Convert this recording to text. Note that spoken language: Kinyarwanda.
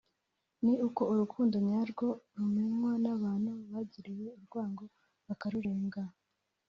ni uko Urukundo nyarwo rumenywa n’abantu bagiriwe urwango bakarurenga”